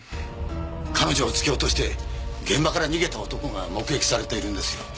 彼女を突き落として現場から逃げた男が目撃されているんですよ。